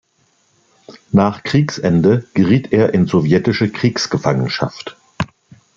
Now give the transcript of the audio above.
Nach Kriegsende geriet er in sowjetische Kriegsgefangenschaft.